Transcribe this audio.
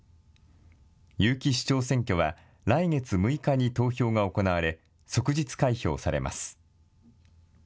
結城市長選挙は来月６日に投票が行われ即日開票されます。